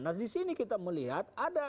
nah disini kita melihat